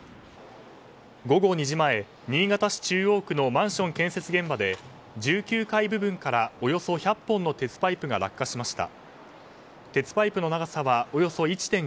午後２時前新潟市中央区のマンション建設現場で１９階部分からおよそ１００本の鉄パイプが落下しました。